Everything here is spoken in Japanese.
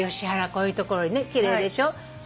こういうところ奇麗でしょ。